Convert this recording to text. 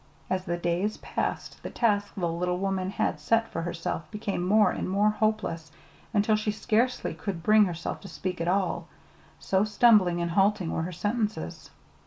As the days passed, the task the little woman had set for herself became more and more hopeless, until she scarcely could bring herself to speak at all, so stumbling and halting were her sentences.